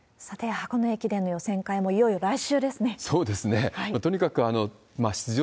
箱根駅伝の予選会もいよいよ来週ですね。